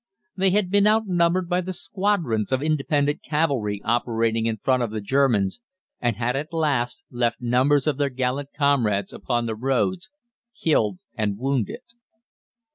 They had been outnumbered by the squadrons of independent cavalry operating in front of the Germans, and had, alas! left numbers of their gallant comrades upon the roads, killed and wounded.